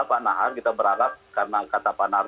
pak nahar kita berharap karena kata pak nahar